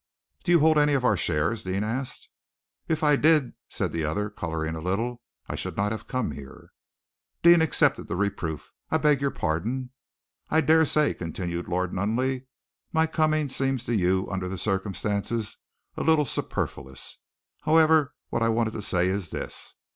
"Do you hold any of our shares?" Deane asked. "If I did," said the other, coloring a little, "I should not have come here." Deane accepted the reproof. "I beg your pardon." "I daresay," continued Lord Nunneley, "my coming seems to you, under the circumstances, a little superfluous. However, what I wanted to say is this.